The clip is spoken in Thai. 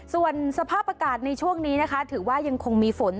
ส่วนสภาพอากาศในช่วงนี้นะคะถือว่ายังคงมีฝน